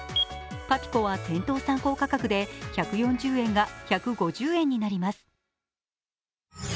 パピコは店頭参考価格で１４０円が１５０円になります。